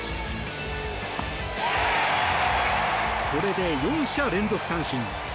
これで４者連続三振。